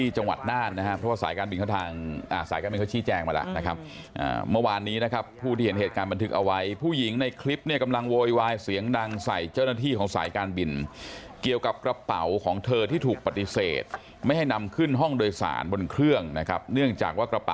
จะมาอ้างคนไทยด้วยกันเพราะไม่ทำตามกฎอย่างนี้นะครับ